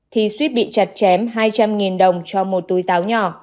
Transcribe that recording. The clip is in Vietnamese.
thì suýt bị chặt chém hai trăm linh đồng cho một túi táo nhỏ